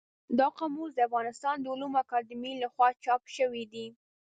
دا قاموس د افغانستان د علومو اکاډمۍ له خوا چاپ شوی دی.